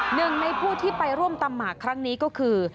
หนึ่งในผู้ที่ไปร่วมตำหมากครั้งนี้ก็คือ